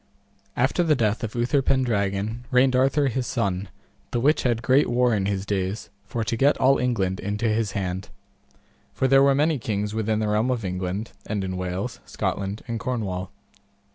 After the death of Uther Pendragon reigned Arthur his son, the which had great war in his days for to get all England into his hand. For there were many kings within the realm of England, and in Wales, Scotland, and Cornwall.